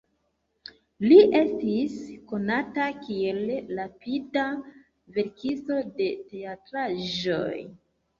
Li estis konata kiel rapida verkisto de teatraĵoj.